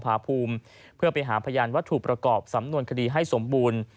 พาภูมิเพื่อไปหาพยานวัตถุประกอบสำนวนคดีให้สมบูรณ์